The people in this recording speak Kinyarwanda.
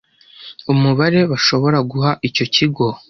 umubare bashobora guha icyo kigo